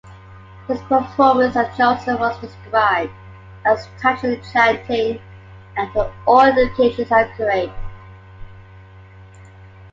His performance as Jolson was described as "touching, enchanting, and to all indications, accurate".